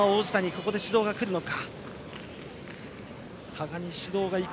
ここで指導が来るのか。